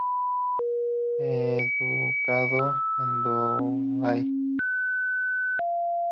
Educado en Douai.